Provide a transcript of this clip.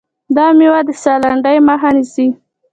دا مېوه د ساه لنډۍ مخه نیسي.